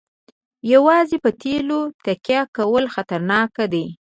یوازې په تیلو تکیه کول خطرناک دي.